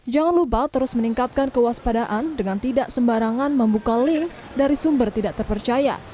jangan lupa terus meningkatkan kewaspadaan dengan tidak sembarangan membuka link dari sumber tidak terpercaya